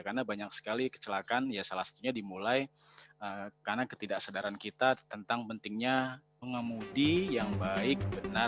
karena banyak sekali kecelakaan salah satunya dimulai karena ketidaksadaran kita tentang pentingnya mengemudi yang baik benar